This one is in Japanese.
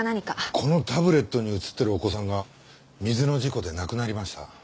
このタブレットに写ってるお子さんが水の事故で亡くなりました。